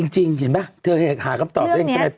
จริงเห็นไหมเธอหากรับตอบเลย